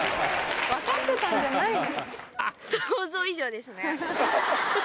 分かってたんじゃないの？